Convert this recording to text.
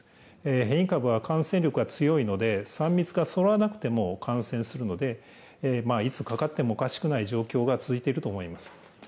変異株は感染力が強いので、３密がそろわなくても感染するので、いつかかってもおかしくない状況が続いていると思います。